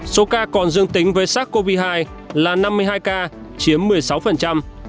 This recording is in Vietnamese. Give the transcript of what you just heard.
số ca còn dương tính với sars cov hai là năm mươi hai ca chiếm một mươi sáu